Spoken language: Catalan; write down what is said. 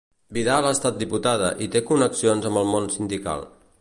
Vidal ha estat diputada i té connexions amb el món sindical.